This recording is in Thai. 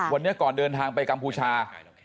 วันนี้ก่อนเดินทางไปกัมพูชา